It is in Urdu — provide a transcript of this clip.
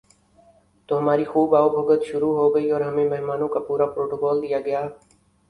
تو ہماری خوب آؤ بھگت شروع ہو گئی اور ہمیں مہمانوں کا پورا پروٹوکول دیا گیا ۔